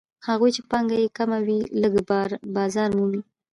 هغوی چې پانګه یې کمه وي لږ بازار مومي